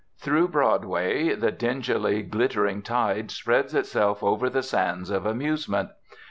Through Broadway the dingily glittering tide spreads itself over the sands of 'amusement.'